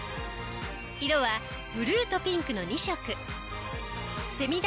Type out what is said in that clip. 色はブルーとピンクの２色。